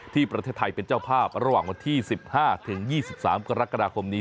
ที่ประเทศไทยเป็นเจ้าภาพระหว่างวันที่๑๕๒๓กรกฎาคมนี้